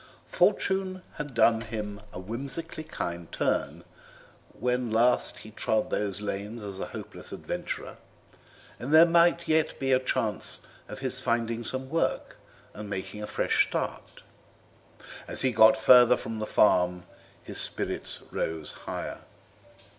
Fortune had done him a whimsically kind turn when last he trod these lanes as a hopeless adventurer, and there might yet be a chance of his finding some work and making a fresh start; as he got further from the farm his spirits rose higher.